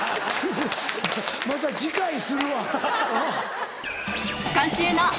また次回するわ。